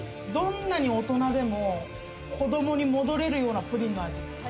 どんなに大人でも子供に戻れるようなプリンの味。